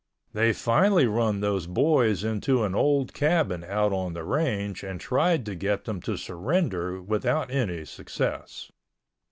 They finally run those boys into an old cabin out on the range and tried to get them to surrender without any success.